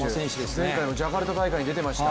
前回のジャカルタ大会に出てました。